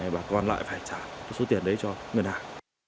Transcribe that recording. bà con lại phải trả một số tiền đấy cho người nàng